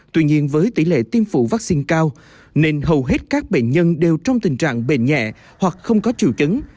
tuy nhiên với tỷ lệ tiêm phụ vaccine cao nên hầu hết các bệnh nhân đều trong tình trạng bệnh nhẹ hoặc không có triệu chứng